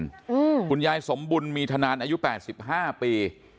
คือคุณยายสมบุลมีธนาญอายุ๘๕ปี